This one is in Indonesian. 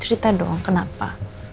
cerita dong kenapa